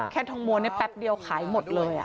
แค่ทงมวลในแป๊บเดียวขายหมดเลย